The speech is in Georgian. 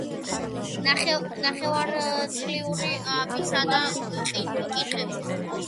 ნახევარწრიული აბსიდა იკითხება.